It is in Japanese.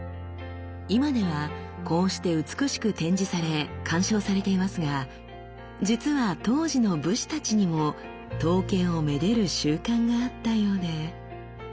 今ではこうして美しく展示され鑑賞されていますが実は当時の武士たちにも刀剣をめでる習慣があったようで。